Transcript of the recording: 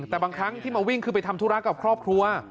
แต่บางครั้งที่มาวิ่งคือไปทำธุระกับครอบครัว